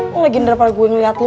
lo lagi daripada gue ngeliat lo